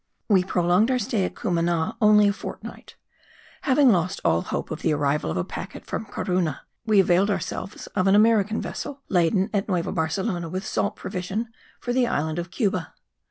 We prolonged our stay at Cumana only a fortnight. Having lost all hope of the arrival of a packet from Corunna, we availed ourselves of an American vessel, laden at Nueva Barcelona with salt provision for the island of Cuba.